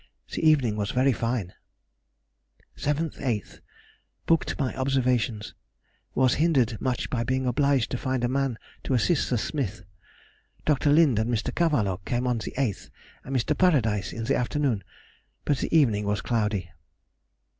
The evening was very fine. 7th, 8th.—Booked my observations; was hindered much by being obliged to find a man to assist the smith. Dr. Lind and Mr. Cavallo came on the 8th, and Mr. Paradise in the afternoon, but the evening was cloudy.